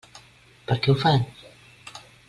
Per què ho fan?